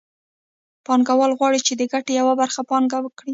پانګوال غواړي چې د ګټې یوه برخه پانګه کړي